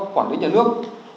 quản lý nhà nước